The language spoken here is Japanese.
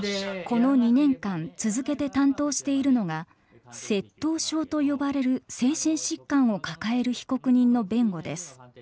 この２年間続けて担当しているのが窃盗症と呼ばれる精神疾患を抱える被告人の弁護です。